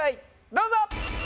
どうぞ！